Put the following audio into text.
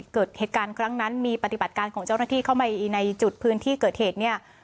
เกิดเหตุการณ์ครั้งนั้นมีปฏิบัติการของเจ้าหน้าที่เข้าไปในจุดพื้นที่เกิดเหตุเนี่ย